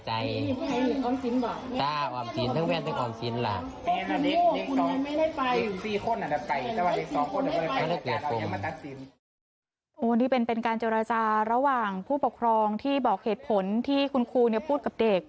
อันนี้เป็นการเจรจาระหว่างผู้ปกครองที่บอกเหตุผลที่คุณครูพูดกับเด็ก